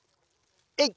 えい！